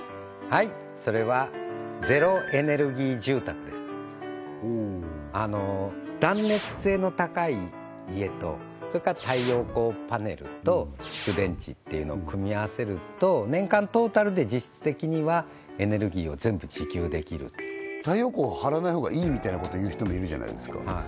はいそれはほお断熱性の高い家とそれから太陽光パネルと蓄電池っていうのを組み合わせると年間トータルで実質的にはエネルギーを全部自給できる太陽光を貼らない方がいいみたいなこと言う人もいるじゃないですか